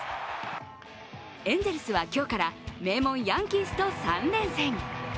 エンゼルスは今日から名門ヤンキースと３連戦。